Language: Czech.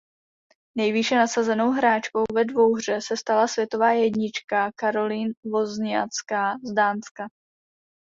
Nejvýše nasazenou hráčkou ve dvouhře se stala světová jednička Caroline Wozniacká z Dánska.